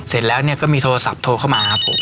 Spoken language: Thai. เสร็จแล้วก็มีโทรศัพท์โทรเข้ามาครับผม